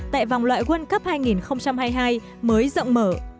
tại vòng loại world cup hai nghìn hai mươi hai mới rộng mở